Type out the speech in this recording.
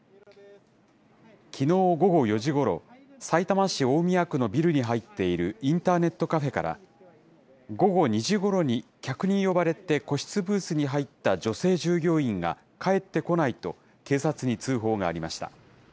きのう午後４時ごろ、さいたま市大宮区のビルに入っているインターネットカフェから、午後２時ごろに客に呼ばれて個室ブースに入った女性従業員が帰ってこないと警察に通報がありました。